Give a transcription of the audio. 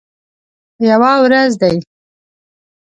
یوه ورځ دي